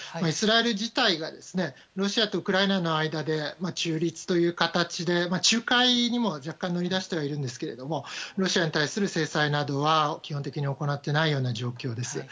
イスラエル自体がロシアとウクライナの間で中立という形で、仲介にも若干乗り出してはいるんですけれどもロシアに対する制裁などは基本的に行ってないような状況です。